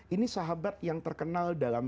ini sahabat yang terkenal dalam